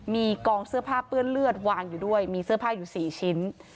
มีกองเสื้อผ้าเปื้อนเลือดวางอยู่ด้วยมีเสื้อผ้าอยู่๔ชิ้น